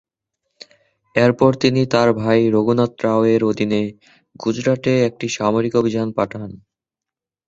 এরপর তিনি তার ভাই রঘুনাথ রাও-এর অধীনে গুজরাটে একটি সামরিক অভিযান পাঠান।